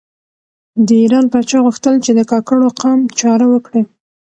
د ایران پاچا غوښتل چې د کاکړو قام چاره وکړي.